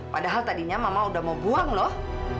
padahal tadinya mama udah mau buang loh